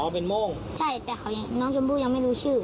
เป็นโม่งใช่แต่เขายังน้องชมพู่ยังไม่รู้ชื่อ